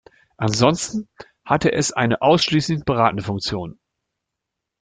Ansonsten hatte es eine ausschließlich beratende Funktion.